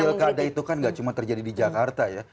kalau misalnya pilkada itu kan nggak cuma terjadi di jakarta ya